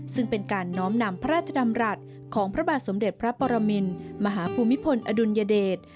ซึ่งเป็นการน้อมนำพระราชดำรัฐของพระบาทสมเด็จพระปรมินมหาภูมิพลอดุลยเดช